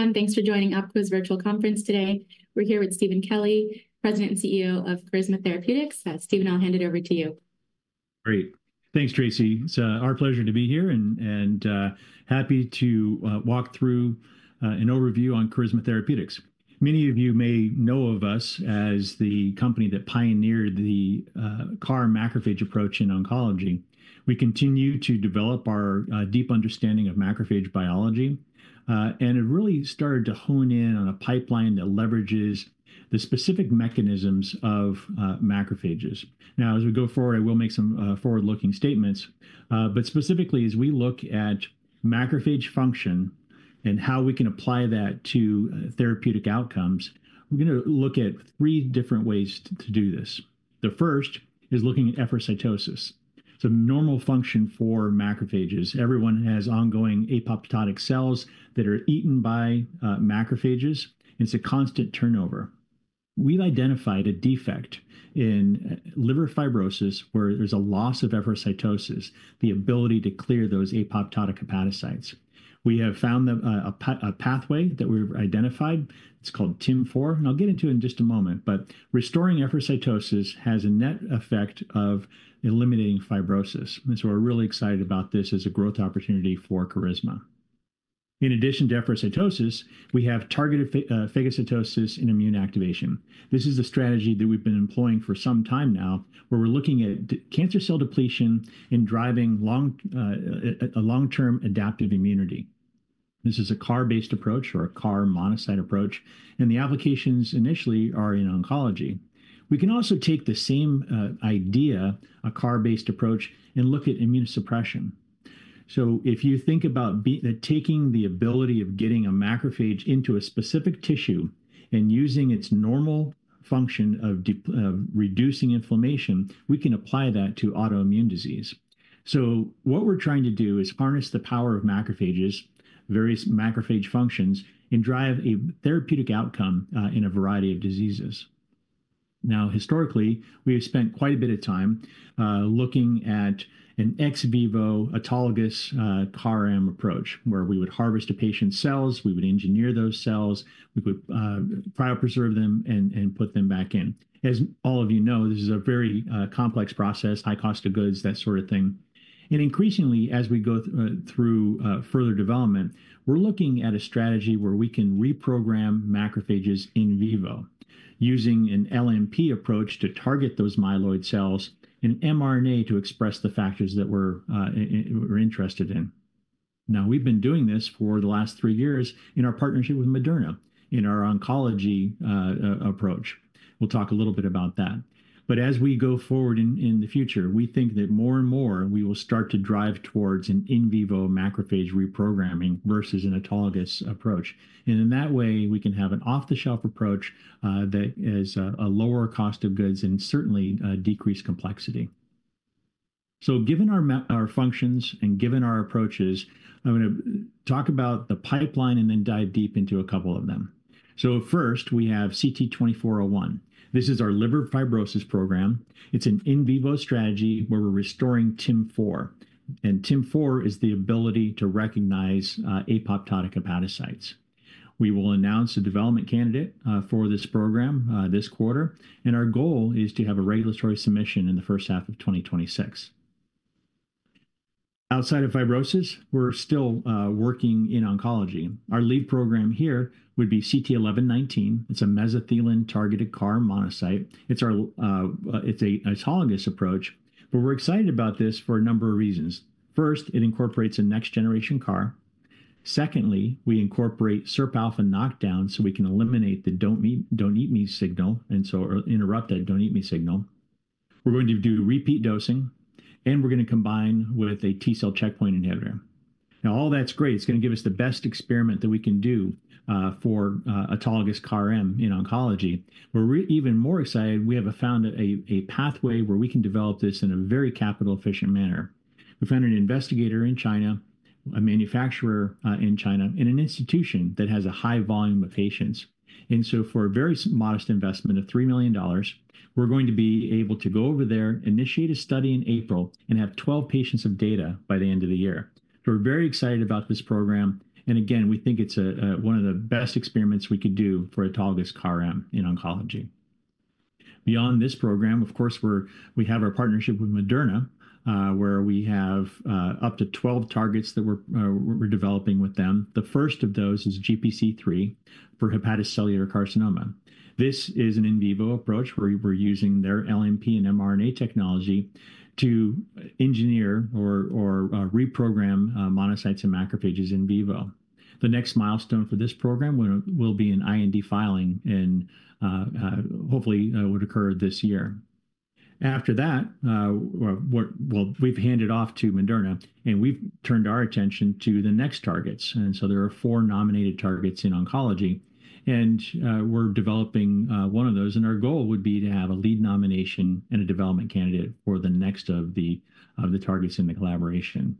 Hi, everyone. Thanks for joining OpCo's virtual conference today. We're here with Steven Kelly, President and CEO of Carisma Therapeutics. Steven, I'll hand it over to you. Great. Thanks, Tracy. It's our pleasure to be here and happy to walk through an overview on Carisma Therapeutics. Many of you may know of us as the company that pioneered the CAR-macrophage approach in oncology. We continue to develop our deep understanding of macrophage biology, and it really started to hone in on a pipeline that leverages the specific mechanisms of macrophages. Now, as we go forward, I will make some forward-looking statements, but specifically, as we look at macrophage function and how we can apply that to therapeutic outcomes, we're going to look at three different ways to do this. The first is looking at efferocytosis. Normal function for macrophages, everyone has ongoing apoptotic cells that are eaten by macrophages, and it's a constant turnover. We've identified a defect in liver fibrosis where there's a loss of efferocytosis, the ability to clear those apoptotic hepatocytes. We have found a pathway that we've identified. It's called TIM4, and I'll get into it in just a moment, but restoring efferocytosis has a net effect of eliminating fibrosis. We are really excited about this as a growth opportunity for Carisma. In addition to efferocytosis, we have targeted phagocytosis and immune activation. This is the strategy that we've been employing for some time now, where we're looking at cancer cell depletion and driving a long-term adaptive immunity. This is a CAR-based approach or a CAR-monocyte approach, and the applications initially are in oncology. We can also take the same idea, a CAR-based approach, and look at immunosuppression. If you think about taking the ability of getting a macrophage into a specific tissue and using its normal function of reducing inflammation, we can apply that to autoimmune disease. What we're trying to do is harness the power of macrophages, various macrophage functions, and drive a therapeutic outcome in a variety of diseases. Now, historically, we have spent quite a bit of time looking at an ex vivo autologous CAR-macrophage approach, where we would harvest a patient's cells, we would engineer those cells, we would cryopreserve them, and put them back in. As all of you know, this is a very complex process, high cost of goods, that sort of thing. Increasingly, as we go through further development, we're looking at a strategy where we can reprogram macrophages in vivo using an LNP approach to target those myeloid cells and mRNA to express the factors that we're interested in. We've been doing this for the last three years in our partnership with Moderna in our oncology approach. We'll talk a little bit about that. As we go forward in the future, we think that more and more we will start to drive towards an in vivo macrophage reprogramming versus an autologous approach. In that way, we can have an off-the-shelf approach that has a lower cost of goods and certainly decreased complexity. Given our functions and given our approaches, I'm going to talk about the pipeline and then dive deep into a couple of them. First, we have CT2401. This is our liver fibrosis program. It's an in vivo strategy where we're restoring TIM4. TIM4 is the ability to recognize apoptotic hepatocytes. We will announce a development candidate for this program this quarter, and our goal is to have a regulatory submission in the first half of 2026. Outside of fibrosis, we're still working in oncology. Our lead program here would be CT1119. It's a mesothelin-targeted CAR-monocyte. It's an autologous approach, but we're excited about this for a number of reasons. First, it incorporates a next-generation CAR. Secondly, we incorporate SIRPα knockdown so we can eliminate the don't-eat-me signal and so interrupt that don't eat me signal. We're going to do repeat dosing, and we're going to combine with a T-cell checkpoint inhibitor. Now, all that's great. It's going to give us the best experiment that we can do for autologous CAR-M in oncology. We're even more excited. We have found a pathway where we can develop this in a very capital-efficient manner. We found an investigator in China, a manufacturer in China, and an institution that has a high volume of patients. For a very modest investment of $3 million, we're going to be able to go over there, initiate a study in April, and have 12 patients of data by the end of the year. We're very excited about this program. Again, we think it's one of the best experiments we could do for autologous CAR-m in oncology. Beyond this program, of course, we have our partnership with Moderna, where we have up to 12 targets that we're developing with them. The first of those is GPC3 for hepatocellular carcinoma. This is an in vivo approach where we're using their LNP and mRNA technology to engineer or reprogram monocytes and macrophages in vivo. The next milestone for this program will be an IND filing, and hopefully it would occur this year. After that, we've handed off to Moderna, and we've turned our attention to the next targets. There are four nominated targets in oncology, and we're developing one of those. Our goal would be to have a lead nomination and a development candidate for the next of the targets in the collaboration.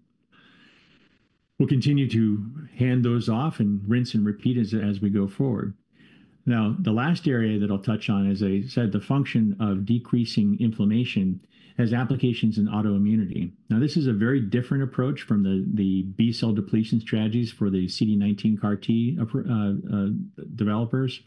We'll continue to hand those off and rinse and repeat as we go forward. The last area that I'll touch on is, as I said, the function of decreasing inflammation has applications in autoimmunity. This is a very different approach from the B-cell depletion strategies for the CD19 CAR-T developers.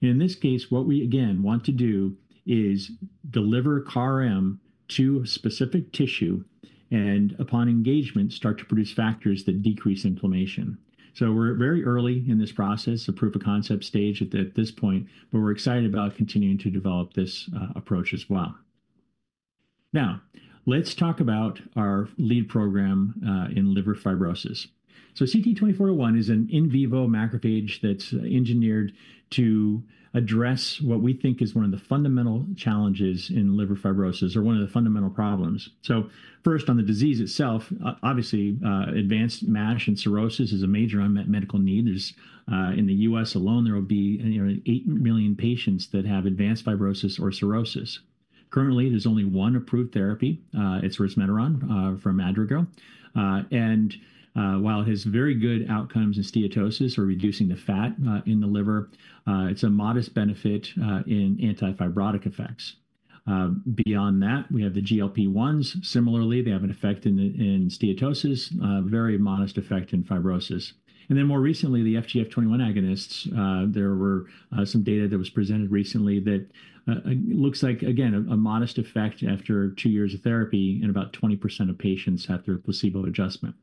In this case, what we, again, want to do is deliver CAR-M to a specific tissue and, upon engagement, start to produce factors that decrease inflammation. We're very early in this process, a proof of concept stage at this point, but we're excited about continuing to develop this approach as well. Now, let's talk about our lead program in liver fibrosis. CT2401 is an in vivo macrophage that's engineered to address what we think is one of the fundamental challenges in liver fibrosis or one of the fundamental problems. First, on the disease itself, obviously, advanced MASH and cirrhosis is a major unmet medical need. In the U.S. alone, there will be 8 million patients that have advanced fibrosis or cirrhosis. Currently, there's only one approved therapy. It's resmetirom from Madrigal. While it has very good outcomes in steatosis or reducing the fat in the liver, it's a modest benefit in antifibrotic effects. Beyond that, we have the GLP-1s. Similarly, they have an effect in steatosis, a very modest effect in fibrosis. More recently, the FGF21 agonists, there were some data that was presented recently that looks like, again, a modest effect after two years of therapy in about 20% of patients after a placebo adjustment.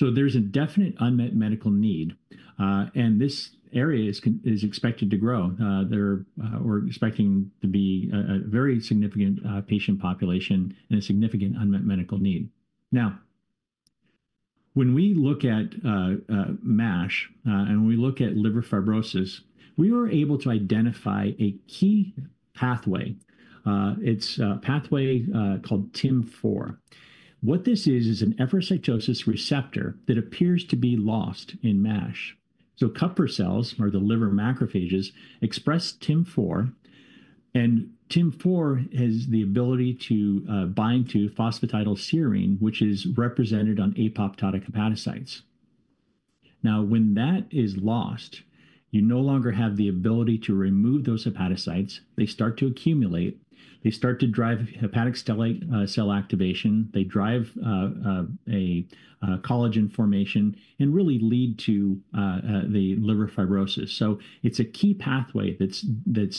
There is a definite unmet medical need, and this area is expected to grow. We are expecting to be a very significant patient population and a significant unmet medical need. Now, when we look at MASH and when we look at liver fibrosis, we were able to identify a key pathway. It is a pathway called TIM4. What this is, is an efferocytosis receptor that appears to be lost in MASH. Kupffer cells, or the liver macrophages, express TIM4, and TIM4 has the ability to bind to phosphatidylserine, which is represented on apoptotic hepatocytes. Now, when that is lost, you no longer have the ability to remove those hepatocytes. They start to accumulate. They start to drive hepatic cell activation. They drive collagen formation and really lead to the liver fibrosis. It is a key pathway that is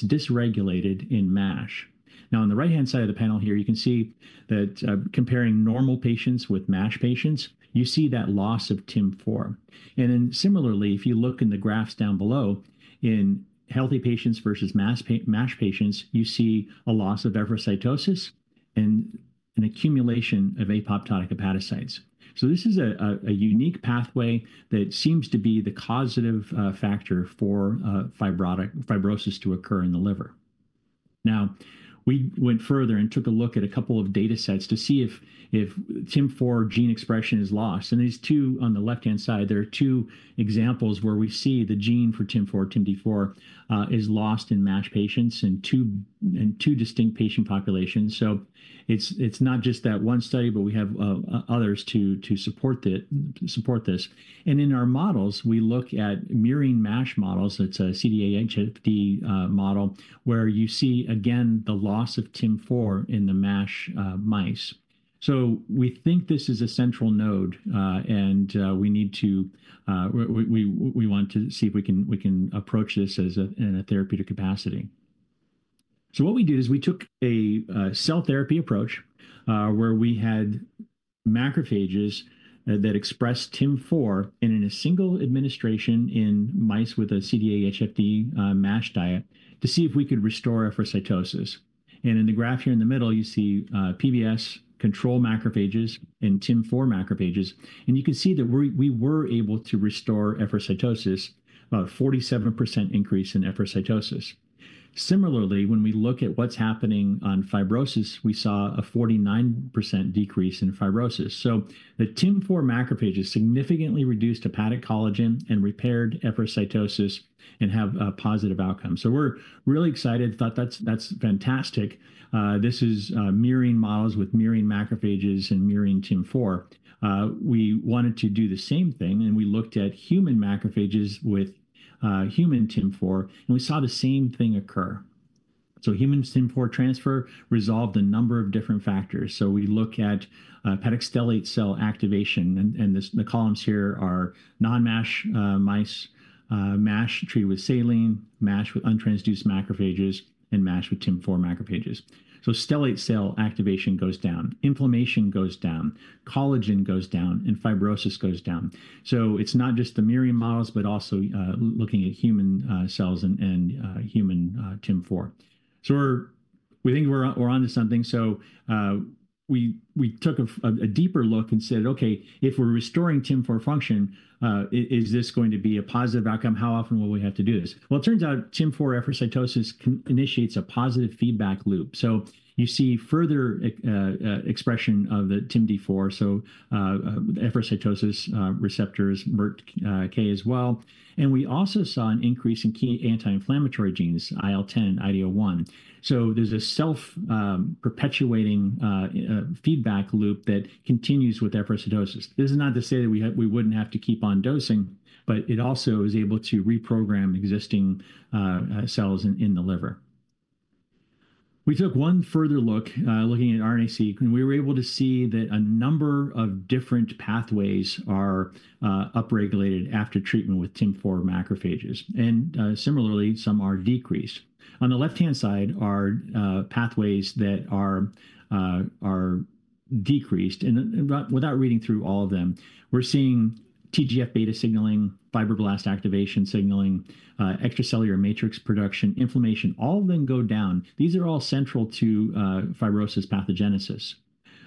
dysregulated in MASH. Now, on the right-hand side of the panel here, you can see that comparing normal patients with MASH patients, you see that loss of TIM4. Then similarly, if you look in the graphs down below, in healthy patients versus MASH patients, you see a loss of efferocytosis and an accumulation of apoptotic hepatocytes. This is a unique pathway that seems to be the causative factor for fibrosis to occur in the liver. Now, we went further and took a look at a couple of data sets to see if TIM4 gene expression is lost. These two on the left-hand side, there are two examples where we see the gene for TIM4, TIMD4, is lost in MASH patients in two distinct patient populations. It's not just that one study, but we have others to support this. In our models, we look at mirroring MASH models. It's a CDAA-HFD model where you see, again, the loss of TIM4 in the MASH mice. We think this is a central node, and we want to see if we can approach this in a therapeutic capacity. What we did is we took a cell therapy approach where we had macrophages that expressed TIM4 in a single administration in mice with a CDAA-HFD MASH diet to see if we could restore efferocytosis. In the graph here in the middle, you see PBS control macrophages and TIM4 macrophages. You can see that we were able to restore efferocytosis, about a 47% increase in efferocytosis. Similarly, when we look at what's happening on fibrosis, we saw a 49% decrease in fibrosis. The TIM4 macrophages significantly reduced hepatic collagen and repaired efferocytosis and have a positive outcome. We are really excited, thought that's fantastic. This is mirroring models with mirroring macrophages and mirroring TIM4. We wanted to do the same thing, and we looked at human macrophages with human TIM4, and we saw the same thing occur. Human TIM4 transfer resolved a number of different factors. We look at hepatic stellate cell activation, and the columns here are non-MASH mice, MASH treated with saline, MASH with untransduced macrophages, and MASH with TIM4 macrophages. Stellate cell activation goes down, inflammation goes down, collagen goes down, and fibrosis goes down. It's not just the mirroring models, but also looking at human cells and human TIM4. We think we're onto something. We took a deeper look and said, "Okay, if we're restoring TIM4 function, is this going to be a positive outcome? How often will we have to do this?" It turns out TIM4 efferocytosis initiates a positive feedback loop. You see further expression of the TIMD4, so efferocytosis receptors MERTK as well. We also saw an increase in key anti-inflammatory genes, IL-10 and PD-L1. There's a self-perpetuating feedback loop that continues with efferocytosis. This is not to say that we wouldn't have to keep on dosing, but it also is able to reprogram existing cells in the liver. We took one further look looking at RNA-seq, and we were able to see that a number of different pathways are upregulated after treatment with TIM4 macrophages. Similarly, some are decreased. On the left-hand side are pathways that are decreased. Without reading through all of them, we're seeing TGF-beta signaling, fibroblast activation signaling, extracellular matrix production, inflammation. All of them go down. These are all central to fibrosis pathogenesis.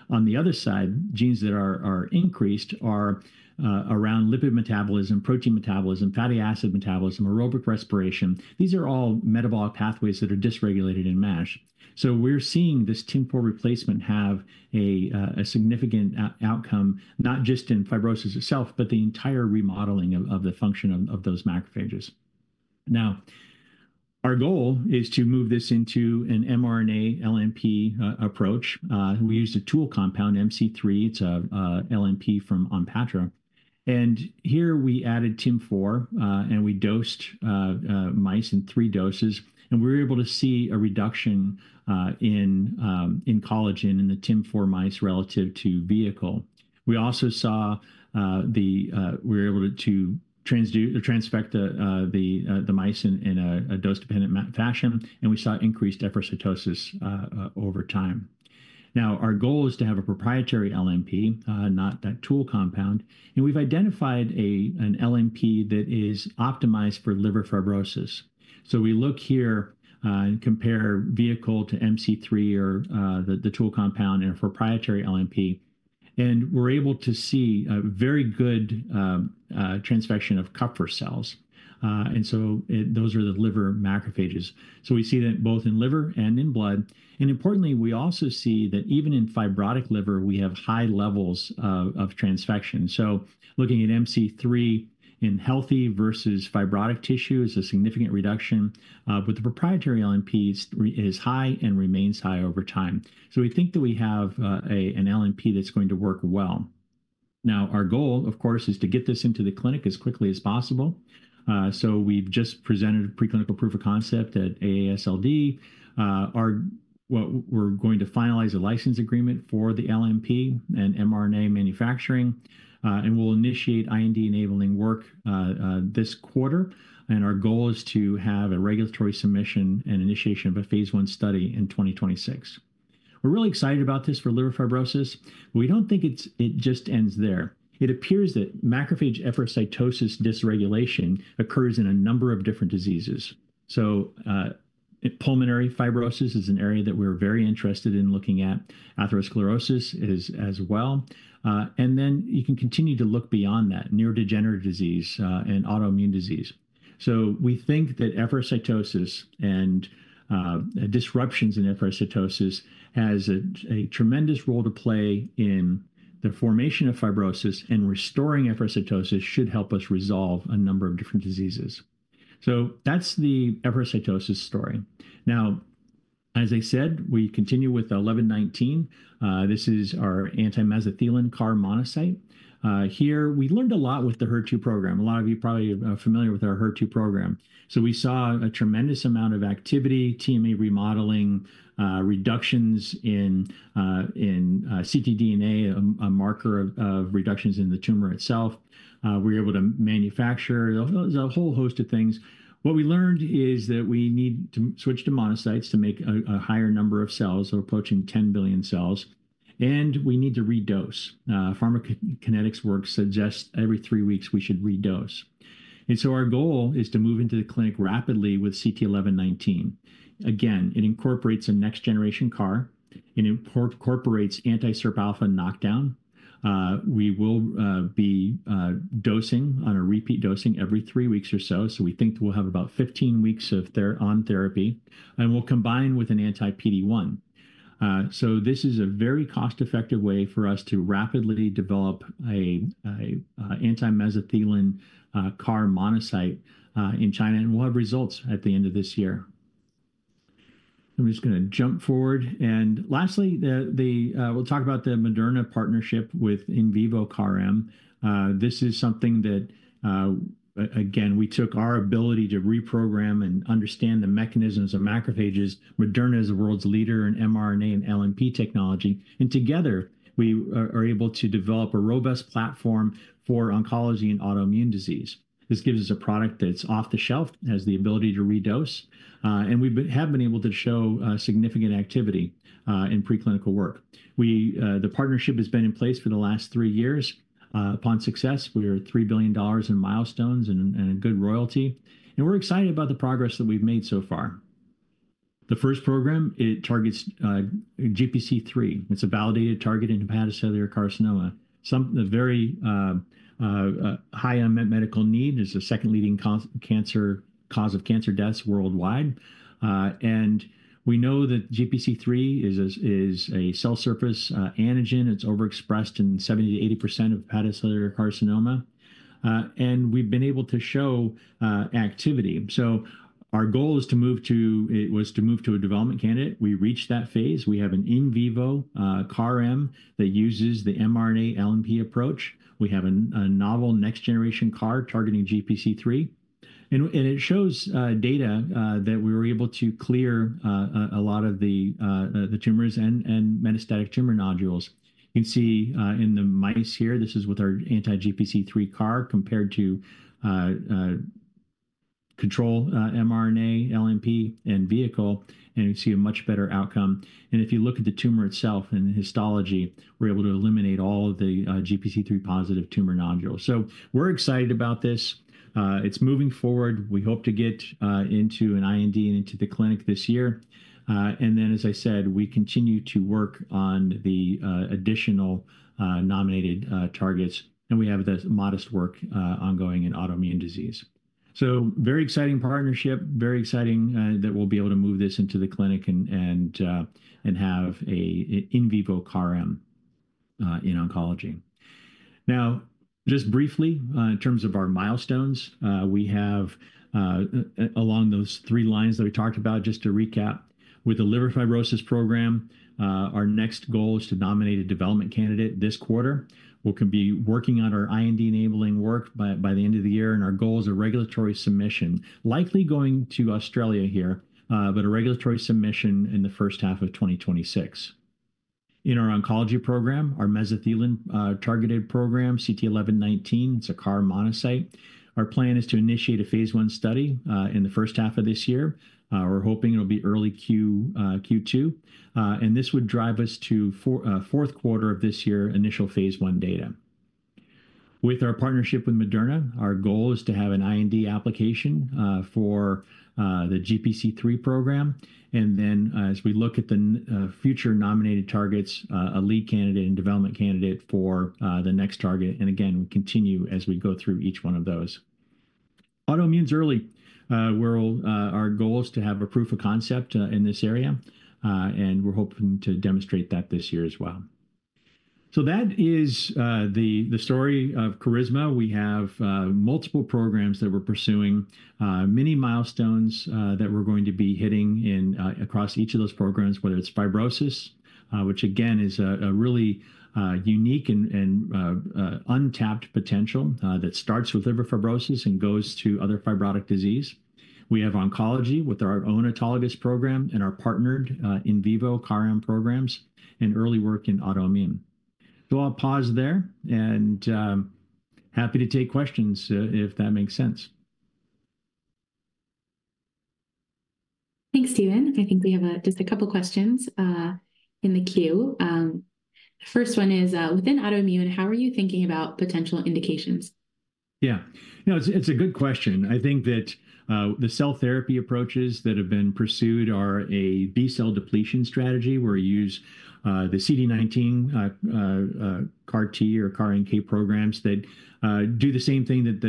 On the other side, genes that are increased are around lipid metabolism, protein metabolism, fatty acid metabolism, aerobic respiration. These are all metabolic pathways that are dysregulated in MASH. We're seeing this TIM4 replacement have a significant outcome, not just in fibrosis itself, but the entire remodeling of the function of those macrophages. Our goal is to move this into an mRNA LNP approach. We used a tool compound, MC3. It's an LNP from Onpattro. Here we added TIM4, and we dosed mice in three doses. We were able to see a reduction in collagen in the TIM4 mice relative to vehicle. We also saw the—we were able to transfect the mice in a dose-dependent fashion, and we saw increased efferocytosis over time. Our goal is to have a proprietary LNP, not that tool compound. We have identified an LNP that is optimized for liver fibrosis. We look here and compare vehicle to MC3 or the tool compound and a proprietary LNP. We are able to see a very good transfection of Kupffer cells. Those are the liver macrophages. We see that both in liver and in blood. Importantly, we also see that even in fibrotic liver, we have high levels of transfection. Looking at MC3 in healthy versus fibrotic tissue is a significant reduction, but the proprietary LNP is high and remains high over time. We think that we have an LNP that's going to work well. Our goal, of course, is to get this into the clinic as quickly as possible. We just presented a preclinical proof of concept at AASLD. We're going to finalize a license agreement for the LNP and mRNA manufacturing, and we'll initiate IND-enabling work this quarter. Our goal is to have a regulatory submission and initiation of a phase one study in 2026. We're really excited about this for liver fibrosis. We don't think it just ends there. It appears that macrophage efferocytosis dysregulation occurs in a number of different diseases. Pulmonary fibrosis is an area that we're very interested in looking at. Atherosclerosis is as well. You can continue to look beyond that, neurodegenerative disease and autoimmune disease. We think that efferocytosis and disruptions in efferocytosis have a tremendous role to play in the formation of fibrosis, and restoring efferocytosis should help us resolve a number of different diseases. That is the efferocytosis story. As I said, we continue with 1119. This is our anti-mesothelin CAR-monocyte. Here, we learned a lot with the HER2 program. A lot of you are probably familiar with our HER2 program. We saw a tremendous amount of activity, TME remodeling, reductions in ctDNA, a marker of reductions in the tumor itself. We were able to manufacture a whole host of things. What we learned is that we need to switch to monocytes to make a higher number of cells, approaching 10 billion cells. We need to redose. Pharmacokinetics work suggests every three weeks we should redose. Our goal is to move into the clinic rapidly with CT1119. Again, it incorporates a next-generation CAR. It incorporates anti-SIRP alpha knockdown. We will be dosing on a repeat dosing every three weeks or so. We think we'll have about 15 weeks of on therapy, and we'll combine with an anti-PD-1. This is a very cost-effective way for us to rapidly develop an anti-mesothelin CAR-monocyte in China, and we'll have results at the end of this year. I'm just going to jump forward. Lastly, we'll talk about the Moderna partnership with in vivo CAR-M. This is something that, again, we took our ability to reprogram and understand the mechanisms of macrophages. Moderna is the world's leader in mRNA and LNP technology. Together, we are able to develop a robust platform for oncology and autoimmune disease. This gives us a product that's off the shelf, has the ability to redose, and we have been able to show significant activity in preclinical work. The partnership has been in place for the last three years. Upon success, we are $3 billion in milestones and a good royalty. We're excited about the progress that we've made so far. The first program, it targets GPC3. It's a validated target in hepatocellular carcinoma. A very high unmet medical need is the second leading cause of cancer deaths worldwide. We know that GPC3 is a cell surface antigen. It's overexpressed in 70%-80% of hepatocellular carcinoma. We've been able to show activity. Our goal was to move to a development candidate. We reached that phase. We have an in vivo CAR-M that uses the mRNA LNP approach. We have a novel next-generation CAR targeting GPC3. It shows data that we were able to clear a lot of the tumors and metastatic tumor nodules. You can see in the mice here, this is with our anti-GPC3 CAR compared to control mRNA LNP and vehicle. You see a much better outcome. If you look at the tumor itself and histology, we are able to eliminate all of the GPC3 positive tumor nodules. We are excited about this. It is moving forward. We hope to get into an IND and into the clinic this year. As I said, we continue to work on the additional nominated targets. We have this modest work ongoing in autoimmune disease. Very exciting partnership, very exciting that we'll be able to move this into the clinic and have an in vivo CAR-M in oncology. Now, just briefly, in terms of our milestones, we have along those three lines that we talked about, just to recap, with the liver fibrosis program, our next goal is to nominate a development candidate this quarter. We'll be working on our IND-enabling work by the end of the year. Our goal is a regulatory submission, likely going to Australia here, but a regulatory submission in the first half of 2026. In our oncology program, our mesothelin targeted program, CT1119, it's a CAR-monocyte. Our plan is to initiate a phase one study in the first half of this year. We're hoping it'll be early Q2. This would drive us to fourth quarter of this year, initial phase one data. With our partnership with Moderna, our goal is to have an IND application for the GPC3 program. As we look at the future nominated targets, a lead candidate and development candidate for the next target. Again, we continue as we go through each one of those. Autoimmune's early. Our goal is to have a proof of concept in this area. We're hoping to demonstrate that this year as well. That is the story of Carisma. We have multiple programs that we're pursuing, many milestones that we're going to be hitting across each of those programs, whether it's fibrosis, which again is a really unique and untapped potential that starts with liver fibrosis and goes to other fibrotic disease. We have oncology with our own autologous program and our partnered in vivo CAR-M programs and early work in autoimmune. I'll pause there and happy to take questions if that makes sense. Thanks, Steven. I think we have just a couple of questions in the queue. The first one is, within autoimmune, how are you thinking about potential indications? Yeah. No, it's a good question. I think that the cell therapy approaches that have been pursued are a B cell depletion strategy. We use the CD19 CAR-T or CAR-NK programs that do the same thing that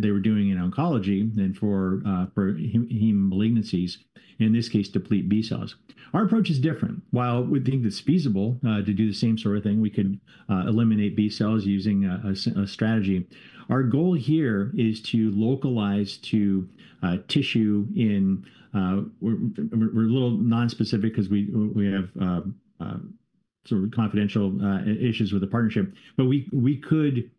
they were doing in oncology and for heme malignancies, in this case, deplete B cells. Our approach is different. While we think it's feasible to do the same sort of thing, we can eliminate B cells using a strategy. Our goal here is to localize to tissue in—we're a little nonspecific because we have sort of confidential issues with the partnership. We could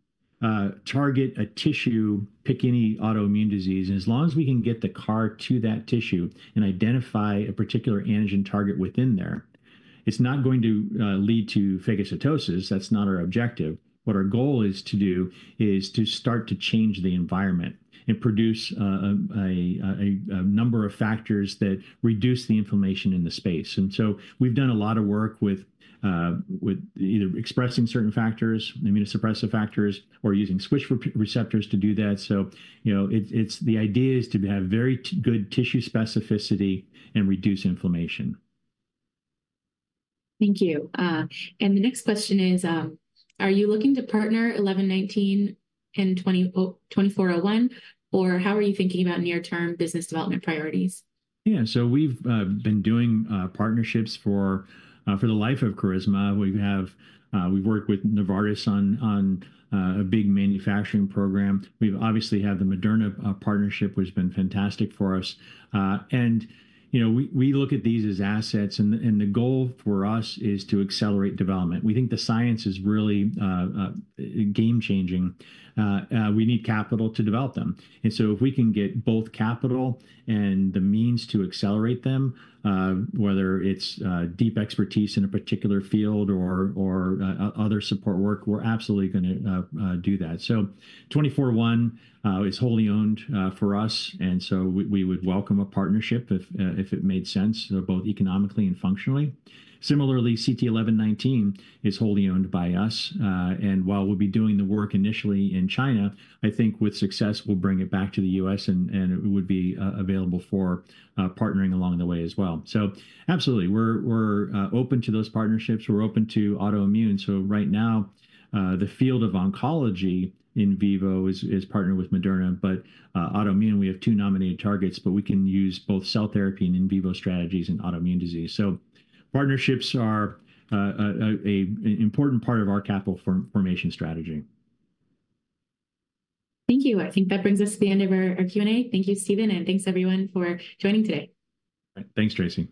target a tissue, pick any autoimmune disease. As long as we can get the CAR to that tissue and identify a particular antigen target within there, it's not going to lead to phagocytosis. That's not our objective. What our goal is to do is to start to change the environment and produce a number of factors that reduce the inflammation in the space. We have done a lot of work with either expressing certain factors, immunosuppressive factors, or using switch receptors to do that. The idea is to have very good tissue specificity and reduce inflammation. Thank you. The next question is, are you looking to partner 1119 and 2401, or how are you thinking about near-term business development priorities? Yeah. We have been doing partnerships for the life of Carisma. We have worked with Novartis on a big manufacturing program. We obviously have the Moderna partnership, which has been fantastic for us. We look at these as assets. The goal for us is to accelerate development. We think the science is really game-changing. We need capital to develop them. If we can get both capital and the means to accelerate them, whether it is deep expertise in a particular field or other support work, we are absolutely going to do that. CT2401 is wholly owned for us. We would welcome a partnership if it made sense, both economically and functionally. Similarly, CT1119 is wholly owned by us. While we will be doing the work initially in China, I think with success, we will bring it back to the U.S., and it would be available for partnering along the way as well. We are open to those partnerships. We are open to autoimmune. Right now, the field of oncology in vivo is partnered with Moderna. Autoimmune, we have two nominated targets, but we can use both cell therapy and in vivo strategies in autoimmune disease. Partnerships are an important part of our capital formation strategy. Thank you. I think that brings us to the end of our Q&A. Thank you, Steven, and thanks, everyone, for joining today. Thanks, Tracy.